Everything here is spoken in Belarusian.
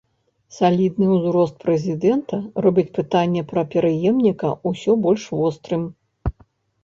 Салідны ўзрост прэзідэнта робіць пытанне пра пераемніка ўсё больш вострым.